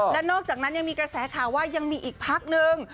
และนอกจากนั้นยังมีกระแสข่าวว่ายังมีอีกพักนึง